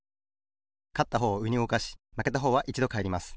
かったほうをうえにうごかしまけたほうはいちどかえります。